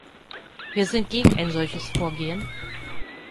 Wir sind gegen ein solches Vorgehen.